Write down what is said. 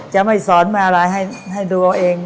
จะไม่สอนอะไรให้ดูเอง